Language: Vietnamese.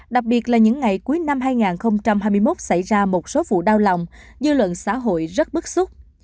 đặc biệt là những ngày cuối năm hai nghìn hai mươi một xảy ra một số vụ đau lòng dư luận xã hội rất bức xúc